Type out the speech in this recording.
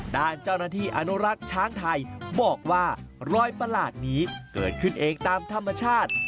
ด้านเจ้าหน้าที่อนุรักษ์ช้างไทยบอกว่ารอยประหลาดนี้เกิดขึ้นเองตามธรรมชาติ